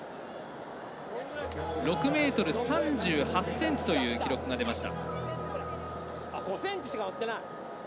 ６ｍ３８ｃｍという記録が出ました。